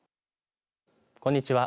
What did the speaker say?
こんにちは。